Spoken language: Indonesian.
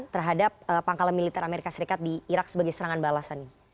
terhadap pangkalan militer amerika serikat di irak sebagai serangan balasan nih